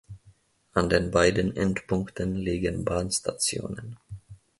An den beiden Endpunkten liegen Bahnstationen.